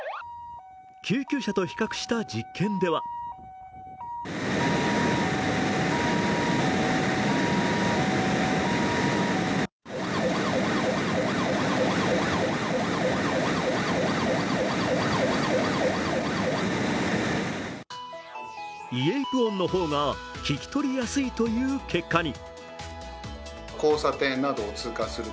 救急車と比較した実験ではイエルプ音の方が聞き取りやすいという結果に。